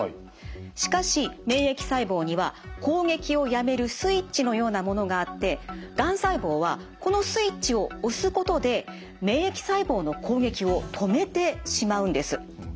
しかし免疫細胞には攻撃をやめるスイッチのようなものがあってがん細胞はこのスイッチを押すことで免疫細胞の攻撃を止めてしまうんです。